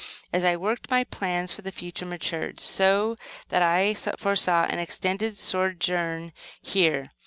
As I worked, my plans for the future matured, so that I foresaw an extended sojourn here.